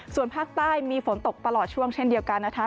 ส่วนภาคใต้มีฝนตกตลอดช่วงเช่นเดียวกันนะคะ